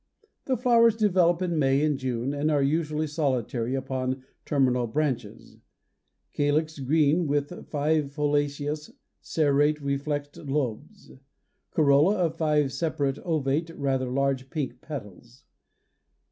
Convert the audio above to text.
The flowers develop in May and June and are usually solitary upon terminal branches. Calyx green with five foliaceous, serrate, reflexed lobes. Corolla of five separate ovate, rather large, pink petals.